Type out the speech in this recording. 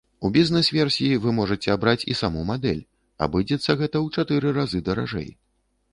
У бізнэс-версіі вы можаце абраць і саму мадэль, абыдзецца гэта ў чатыры разы даражэй.